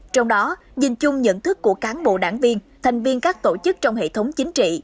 trong đó dình chung nhận thức của cán bộ đảng viên thành viên các tổ chức trong hệ thống chính trị